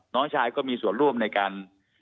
น้องชายก็มีส่วนร่วมในการ